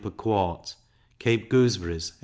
per quart; Cape gooseberries 8d.